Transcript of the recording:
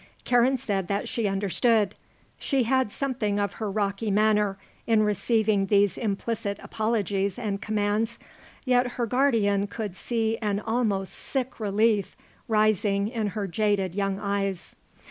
Karen said that she understood. She had something of her rocky manner in receiving these implicit apologies and commands, yet her guardian could see an almost sick relief rising in her jaded young eyes.